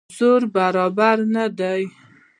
زور برابر نه دی.